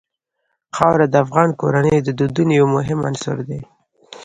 خاوره د افغان کورنیو د دودونو یو مهم عنصر دی.